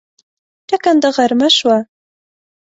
ټکنده غرمه شومه